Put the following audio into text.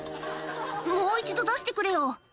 「もう一度出してくれよ」